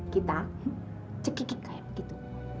kita cekikik kayak begitu